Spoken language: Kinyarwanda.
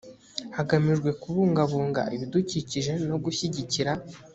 hagamijwe kubungabunga ibidukikije no gushyigikira